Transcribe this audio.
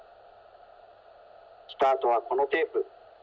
スタートはこのテープ。